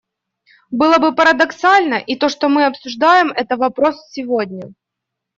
Было бы парадоксально и то, что мы обсуждаем этот вопрос сегодня.